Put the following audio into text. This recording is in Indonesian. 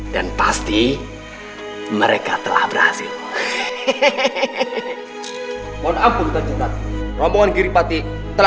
dan pasti mereka telah berhasil